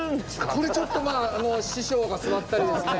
これちょっとまだ師匠が座ったりですね。